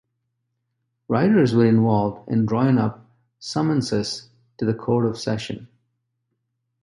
Writers were involved in drawing up summonses to the Court of Session.